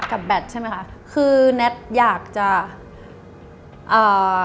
กับแบตใช่ไหมคะคือแนนต์อยากจะ